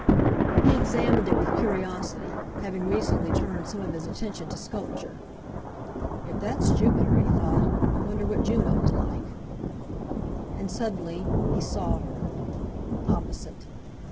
He examined it with curiosity, having recently turned some of his attention to sculpture. 'If that's Jupiter,' he thought, 'I wonder what Juno's like.' And suddenly he saw her, opposite.